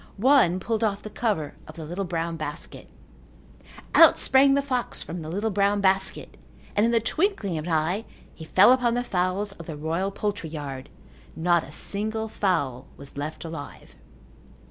One pulled off the cover of the little brown basket. Out sprang the fox from the little brown basket and in the twinkling of an eye he fell upon the fowls of the royal poultry yard. Not a single fowl was left alive.